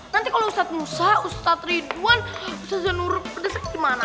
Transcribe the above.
nanti kalau ustadz musa ustadz ridwan ustadz zanur pedes gimana